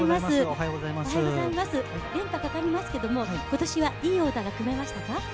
連覇かかりますけれども、今年はいいオーダーが組めましたか？